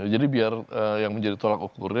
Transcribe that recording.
jadi biar yang menjadi tolak ukurnya